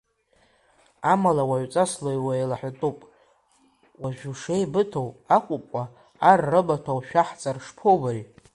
Амала уаҩҵас уеилаҳәатәуп, уажә ушеибыҭоу акәымкәа ар рымаҭәа ушәаҳҵар шԥоубари?